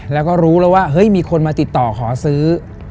แล้วก็รู้แล้วว่าเฮ้ยมีคนมาติดต่อขอซื้อ